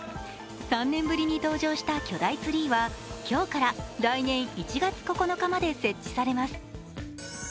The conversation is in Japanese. ３年ぶりに登場した巨大ツリーは今日から来年１月９日まで設置されます。